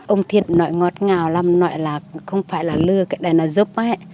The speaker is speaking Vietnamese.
ông thiền nói ngọt ngào lắm nói là không phải là lừa cái này nó giúp á